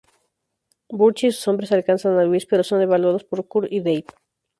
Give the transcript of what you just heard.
Burch y sus hombres alcanzan a Luis, pero son evaluados por Kurt y Dave.